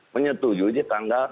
menyetujui di tanggal enam